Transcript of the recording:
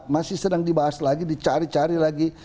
masih sedang dibahas lagi dicari cari lagi